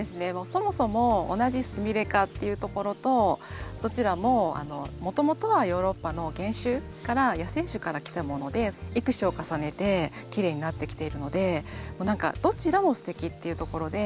そもそも同じスミレ科っていうところとどちらももともとはヨーロッパの原種から野生種からきたもので育種を重ねてきれいになってきているので何かどちらもすてきっていうところで。